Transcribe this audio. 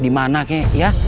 di mana kek ya